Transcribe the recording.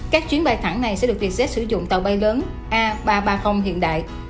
các chuyến bay thẳng này sẽ được vietjet sử dụng tàu bay lớn a ba trăm ba mươi hiện đại